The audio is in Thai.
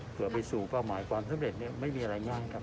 เพื่อไปสู่เป้าหมายความสำเร็จเนี่ยไม่มีอะไรง่ายครับ